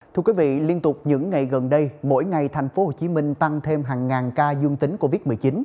thưa quý vị liên tục những ngày gần đây mỗi ngày thành phố hồ chí minh tăng thêm hàng ngàn ca dương tính covid một mươi chín